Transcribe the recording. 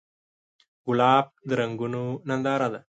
ګلاب د رنګونو ننداره ده.